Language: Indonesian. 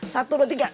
satu dua tiga